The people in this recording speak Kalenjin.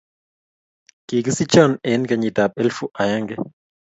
Kigisicho eng kenyitab elbu aeng